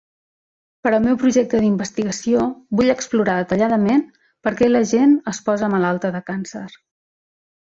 Per al meu projecte d"investigació, vull explorar detalladament perquè la gent es posa malalta de càncer.